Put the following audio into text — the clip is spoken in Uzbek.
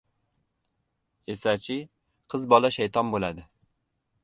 — Esa-chi, qiz bola shayton bo‘ladi.